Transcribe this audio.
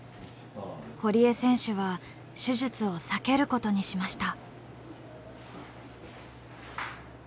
堀江選手は手術を避けることにしました。